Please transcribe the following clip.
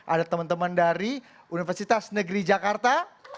ada teman teman dari universitas negeri jakarta